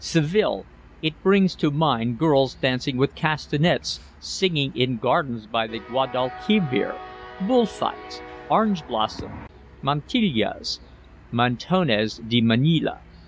Seville: it brings to the mind girls dancing with castanets, singing in gardens by the Guadalquivir, bull fights, orange blossom, mantillas, mantones de Manila.